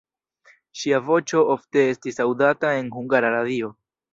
Ŝia voĉo ofte estis aŭdata en Hungara Radio.